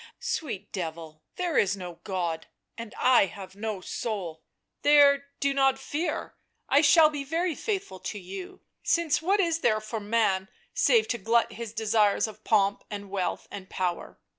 " Sweet devil, there is no God, and I have no soul !— there, do not fear — I shall be very faithful to you— since what is there for man save to glut his desires of pomp and wealth and power